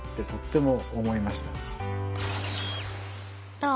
どう？